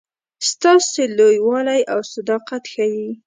ستاسي لوی والی او صداقت ښيي.